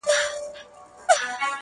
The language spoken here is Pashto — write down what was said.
مرگ موش دئ نوم پر ايښى دهقانانو،